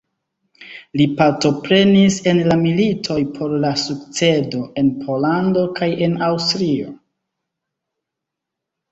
Li partoprenis en la militoj por la sukcedo en Pollando kaj en Aŭstrio.